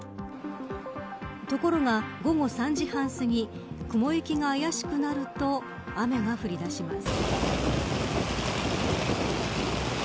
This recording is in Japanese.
ところが、午後３時半すぎ雲行きが怪しくなると雨が降り出します。